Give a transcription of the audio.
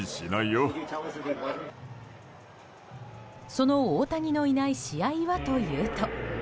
その大谷のいない試合はというと。